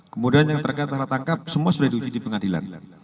kemudian yang terkait cara tangkap semua sudah diuji di pengadilan